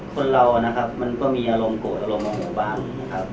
คนเรานะครับมันก็มีอารมณ์โกรธอารมณ์โมโหบ้างนะครับ